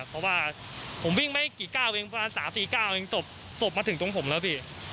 เพราะว่าผมวิ่งไปกี่ก้าวเองประมาณ๓๔ก้าวจบมาถึงตรงผมแล้ว